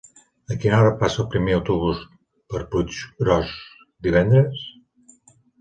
A quina hora passa el primer autobús per Puiggròs divendres?